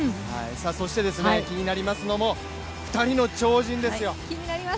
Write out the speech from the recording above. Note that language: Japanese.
そして気になりますのも２人の超人ですよ。